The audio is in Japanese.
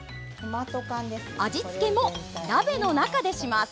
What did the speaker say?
味付けも鍋の中でします。